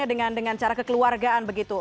dengan cara kekeluargaan begitu